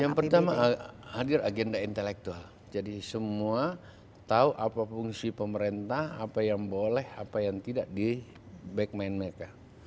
yang pertama hadir agenda intelektual jadi semua tahu apa fungsi pemerintah apa yang boleh apa yang tidak di back mind mereka